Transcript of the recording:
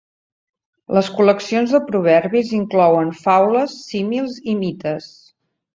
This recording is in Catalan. Les col·leccions de proverbis inclouen faules, símils i mites.